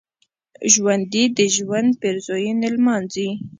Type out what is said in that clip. ژوندي د ژوند پېرزوینې لمانځي